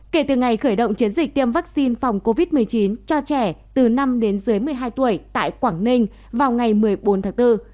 kể từ ngày khởi động chiến dịch tiêm vaccine phòng covid một mươi chín cho trẻ từ năm đến dưới một mươi hai tuổi tại quảng ninh vào ngày một mươi bốn tháng bốn